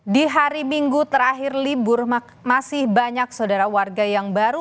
di hari minggu terakhir libur masih banyak saudara warga yang baru